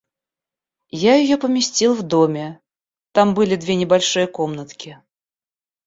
Я ее поместил в доме... там были две небольшие комнатки.